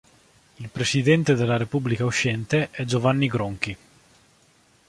Il Presidente della Repubblica uscente è Giovanni Gronchi.